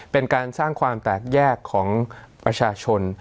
เป็นการสร้างความแตกแยกของประชาชน